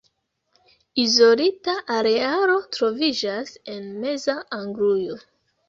Izolita arealo troviĝas en meza Anglujo.